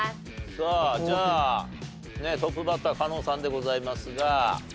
さあじゃあトップバッター加納さんでございますが。